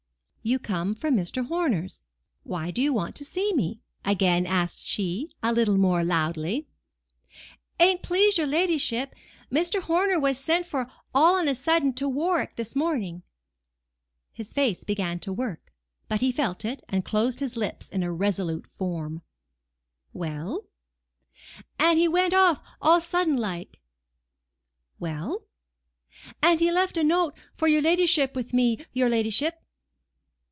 "You come from Mr. Horner's: why do you want to see me?" again asked she, a little more loudly. "An't please your ladyship, Mr. Horner was sent for all on a sudden to Warwick this morning." His face began to work; but he felt it, and closed his lips into a resolute form. "Well?" "And he went off all on a sudden like." "Well?" "And he left a note for your ladyship with me, your ladyship."